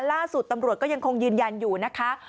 ล่าสุดตำรวจก็ยังคงยืนยันอยู่นะคะ